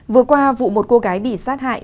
vừa qua vụ một cô gái bị sát hại